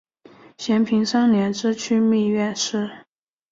咸平三年知枢密院事。